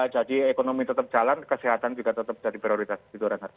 jadi ekonomi tetap jalan kesehatan juga tetap jadi prioritas gitu renard